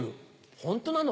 ホントなの？